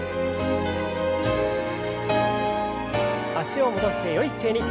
脚を戻してよい姿勢に。